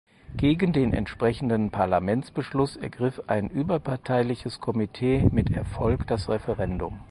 Gegen den entsprechenden Parlamentsbeschluss ergriff ein überparteiliches Komitee mit Erfolg das Referendum.